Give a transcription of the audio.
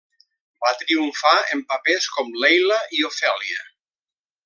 Va triomfar en papers com Leila i Ofèlia.